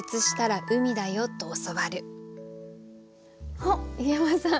あっ湯山さん！